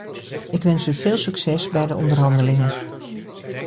Ik wens u veel succes bij de onderhandelingen.